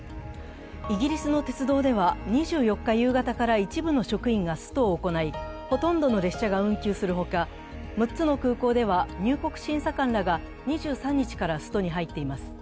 イギリスの鉄道では、２４日夕方から一部の職員がストを行いほとんどの列車が運休するほか６つの空港では入国審査官らが２３日からストに入っています。